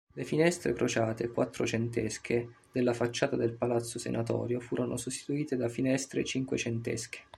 Le finestre crociate quattrocentesche della facciata del palazzo Senatorio furono sostituite da finestre cinquecentesche.